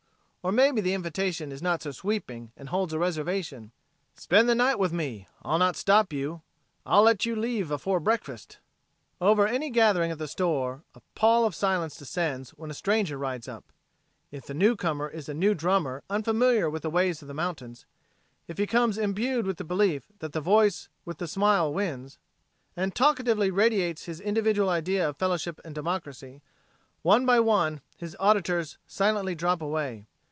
Or, maybe, the invitation is not so sweeping, and holds a reservation: "Spend the night with me! I'll not stop you; I'll let you leave afore breakfast." Over any gathering at the store a pall of silence descends when a stranger rides up. If the newcomer is a new drummer unfamiliar with the ways of the mountains, if he comes imbued with the belief that the voice with the smile wins, and talkatively radiates his individual idea of fellowship and democracy, one by one his auditors silently drop away.